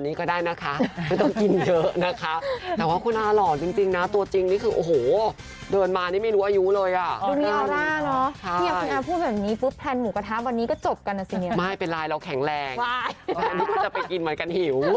ไม่ต้องรีบกินอย่ากินเยอะเกินไป